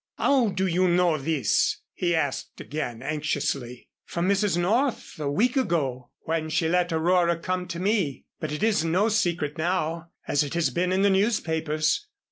"How do you know this?" he asked again, anxiously. "From Mrs. North a week ago, when she let Aurora come to me. But it is no secret now, as it has been in the newspapers.